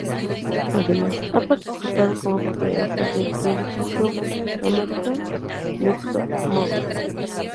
Además, ha participado como fotógrafo del reality show "America's Next Top Model".